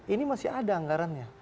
ini masih ada anggarannya